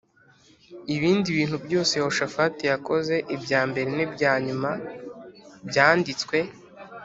Ibindi bintu byose Yehoshafati yakoze ibya mbere n ibya nyuma byanditswe